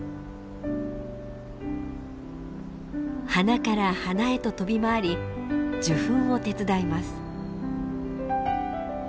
花から花へと飛び回り受粉を手伝います。